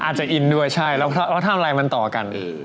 อาจจะอินด้วยใช่แล้วทำอะไรมันต่อกันอีก